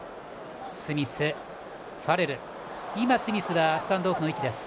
スミスは今、スタンドオフの位置です。